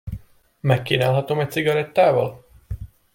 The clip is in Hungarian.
Megkínálhatom egy cigarettával?